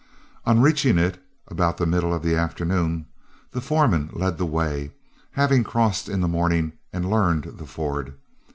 On reaching it, about the middle of the afternoon, the foreman led the way, having crossed in the morning and learned the ford.